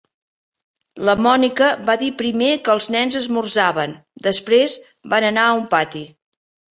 La Mònica va dir primer que els nens esmorzaven, després van anar a un pati.